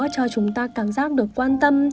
cho chúng ta cảm giác được quan tâm